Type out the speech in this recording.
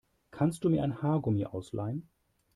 Kannst du mir ein Haargummi ausleihen?